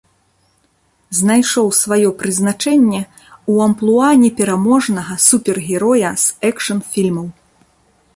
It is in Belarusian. Знайшоў сваё прызначэнне ў амплуа непераможнага супергероя з экшн-фільмаў.